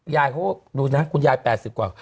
ยายเขาดูนะคุณยาย๘๐กว่า